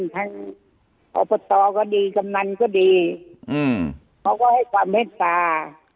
ต่อก็ดีกำนันก็ดีอืมเขาก็ให้ความเฮ็ดตา